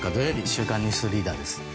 「週刊ニュースリーダー」です。